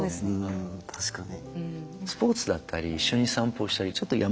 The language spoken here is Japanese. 確かに。